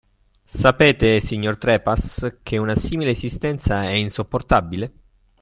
Sapete, signor Trepas, che una simile esistenza è insopportabile?